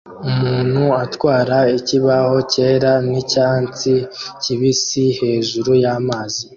Umuntu atwara ikibaho cyera nicyatsi kibisi hejuru y'amazi